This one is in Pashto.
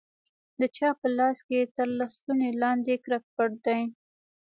د چا په لاس کښې تر لستوڼي لاندې کرک پټ دى.